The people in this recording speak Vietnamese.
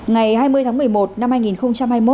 ngày hai mươi tháng một mươi một năm hai nghìn hai mươi một